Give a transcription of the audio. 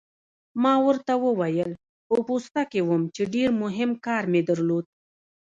ما ورته وویل: په پوسته کې وم، چې ډېر مهم کار مې درلود.